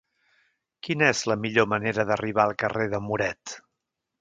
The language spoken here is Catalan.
Quina és la millor manera d'arribar al carrer de Muret?